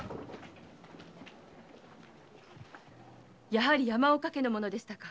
やはり山岡家の者でしたか。